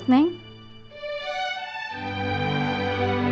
di arab selat